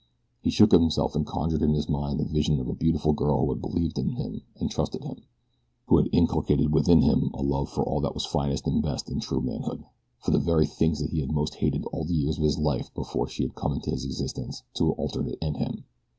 He shook himself and conjured in his mind the vision of a beautiful girl who had believed in him and trusted him who had inculcated within him a love for all that was finest and best in true manhood, for the very things that he had most hated all the years of his life before she had come into his existence to alter it and him.